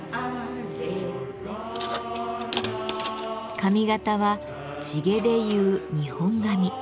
髪型は地毛で結う日本髪。